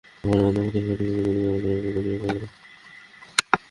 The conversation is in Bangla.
পরে বন্দর কর্তৃপক্ষ ডিপিপি তৈরি করে মন্ত্রণালয়ের অনুমোদন নিয়ে ক্রয় করে।